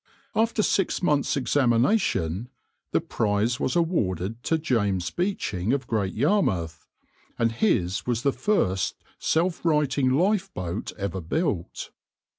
After six months' examination, the prize was awarded to James Beeching of Great Yarmouth, and his was the first self righting lifeboat ever built.